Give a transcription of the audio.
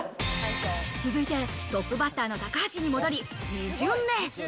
続いてトップバッターの高橋に戻り、２巡目。